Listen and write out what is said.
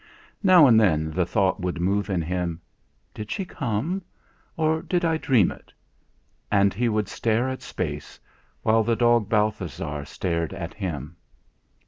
Now and then the thought would move in him: 'Did she come or did I dream it?' and he would stare at space, while the dog Balthasar stared at him.